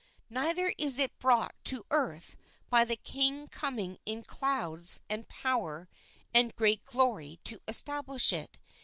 Neither is it brought to the earth by the King coming in clouds and power and great glory to establish it.